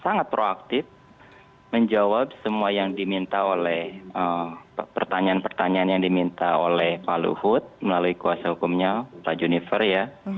sangat proaktif menjawab semua yang diminta oleh pertanyaan pertanyaan yang diminta oleh pak luhut melalui kuasa hukumnya pak junifer ya